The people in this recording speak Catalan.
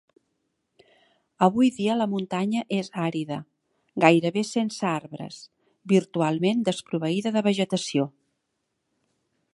Avui dia la muntanya és àrida, gairebé sense arbres, virtualment desproveïda de vegetació.